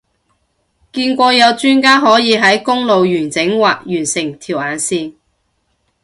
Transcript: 見過有專家可以喺公路完整畫完成條眼線